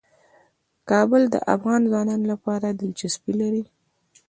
کابل د افغان ځوانانو لپاره دلچسپي لري.